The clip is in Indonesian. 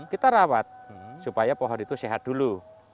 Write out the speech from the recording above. kita rawat supaya pohon itu sehat dulu